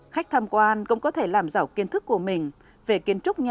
khách tham quan cũng có thể làm giàu kiến thức của mình về kiến trúc nhà